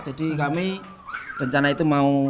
jadi kami rencanai tinggal di sini